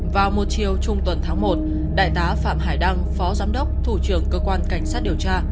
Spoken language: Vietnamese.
vào một chiều trung tuần tháng một đại tá phạm hải đăng phó giám đốc thủ trưởng cơ quan cảnh sát điều tra